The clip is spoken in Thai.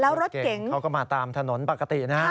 แล้วทางเขาเขามาตามถนนปกตินะครับ